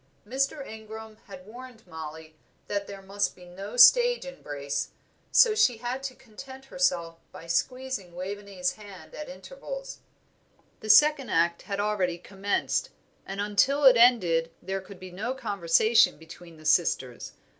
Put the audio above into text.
Mr. Ingram had warned Mollie that there must be no stage embrace, so she had to content herself by squeezing Waveney's hand at intervals. The second act had already commenced, and until it had ended there could be no conversation between the sisters.